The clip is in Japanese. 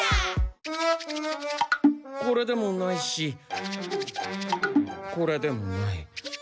これでもないしこれでもない。